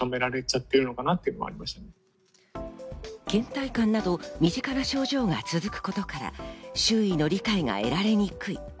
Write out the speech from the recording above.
倦怠感など、身近な症状が続くことから、周囲の理解が得られにくい。